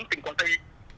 tỉnh quảng tây